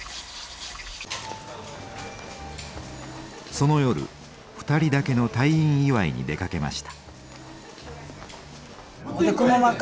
その夜２人だけの退院祝に出かけました。